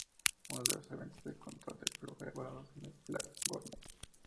Uno de los elementos de control del flujo evaluados es lo flap Gurney.